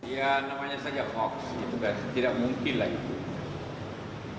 ya namanya saja hoax itu kan tidak mungkin lah itu